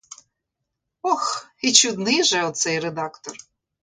Ох, і чудний же оцей редактор.